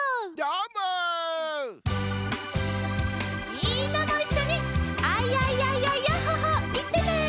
みんなもいっしょに「アイヤイヤイヤイヤッホ・ホー」いってね。